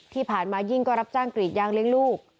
ที่ผ่านมายิ่งก็รับจ้างกรีดยางเลี้ยงลูก